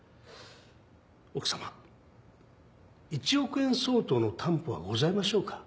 奥さま１億円相当の担保はございましょうか。